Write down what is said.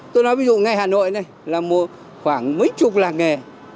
tôi nói ví dụ ngay hà nội này là một khoảng mấy chục làng nghề